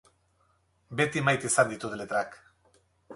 Beti maite izan ditu letrak.